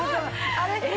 あれ？